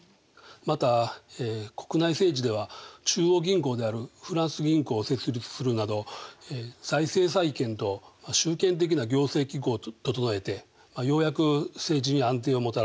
また国内政治では中央銀行であるフランス銀行を設立するなど財政再建と集権的な行政機構を整えてようやく政治に安定をもたらしていったんです。